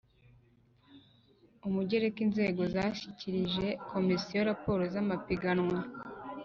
Umugereka inzego zashyikirije komisiyo raporo z amapiganwa